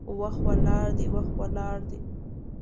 وخت ولاړ دی، وخت ولاړ دی